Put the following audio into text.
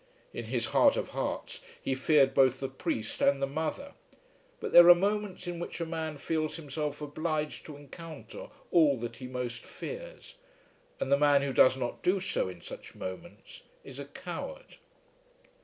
In his heart of hearts he feared both the priest and the mother. But there are moments in which a man feels himself obliged to encounter all that he most fears; and the man who does not do so in such moments is a coward.